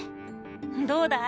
どうだい？